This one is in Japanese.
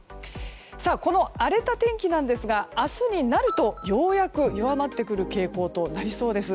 この荒れた天気なんですが明日になるとようやく弱まってくる傾向となりそうです。